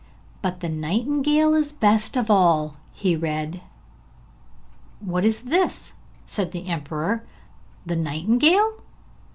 'But the nightingale is the best of all,' he read. 'What is this?' said the emperor. 'The nightingale?